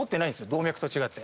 動脈と違って。